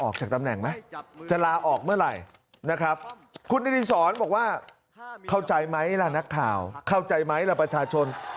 เข้าใจไหมล่ะนักข่าวเข้าใจไหมล่ะประชาชน